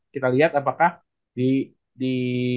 kita lihat apakah di